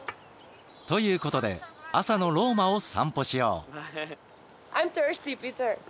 ということで朝のローマを散歩しよう。